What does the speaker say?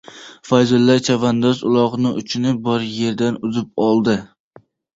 Fayzulla chavandoz uloqni uchini bor yerdan uzib oldi!